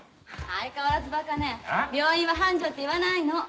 相変わらずバカね病院は繁盛って言わないの。